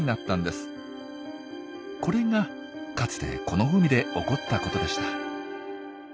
これがかつてこの海で起こったことでした。